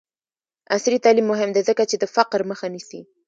عصري تعلیم مهم دی ځکه چې د فقر مخه نیسي.